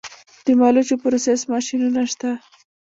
د مالوچو پروسس ماشینونه شته